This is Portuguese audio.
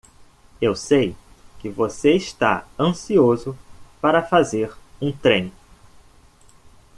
Eu sei que você está ansioso para fazer um trem.